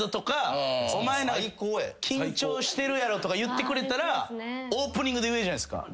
「お前緊張してるやろ」とか言ってくれたらオープニングで言えるじゃないすか。